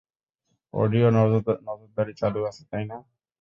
Audio নজরদারি চালু আছে, তাই না?